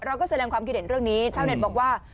เราก็แสดงความคิดเห็นเรื่องนี้ชาวเน็ตบอกว่า